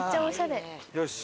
よし！